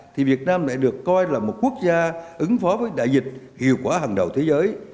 thì việt nam lại được coi là một quốc gia ứng phó với đại dịch hiệu quả hàng đầu thế giới